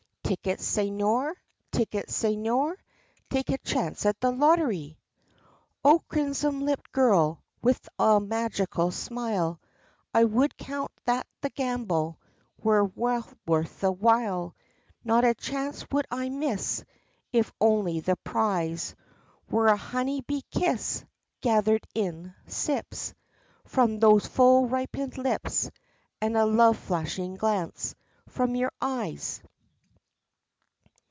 Tickets, señor? Tickets, señor? Take a chance at the lottery?" Oh, crimson lipped girl, With the magical smile, I would count that the gamble Were well worth the while, Not a chance would I miss, If only the prize Were a honey bee kiss Gathered in sips From those full ripened lips, And a love flashing glance From your eyes.